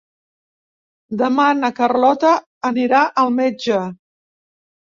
Demà na Carlota anirà al metge.